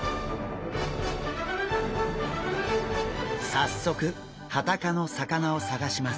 さっそくハタ科の魚を探します。